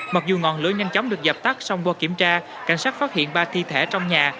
mặc dù ngọn lối nhanh chóng được dập tắt xong bộ kiểm tra cảnh sát phát hiện ba thi thể trong nhà